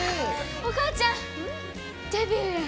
お母ちゃんデビューや。